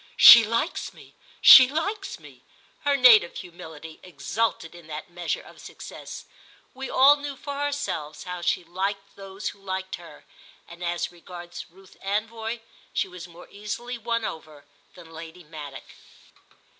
"She likes me—she likes me": her native humility exulted in that measure of success. We all knew for ourselves how she liked those who liked her, and as regards Ruth Anvoy she was more easily won over than Lady Maddock.